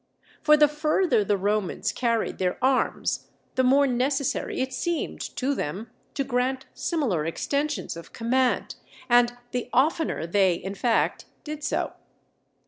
For the further the Romans carried their arms, the more necessary it seemed to them to grant similar extensions of command, and the oftener they, in fact, did so.